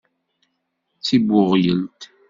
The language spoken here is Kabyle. D tibbuɣyelt.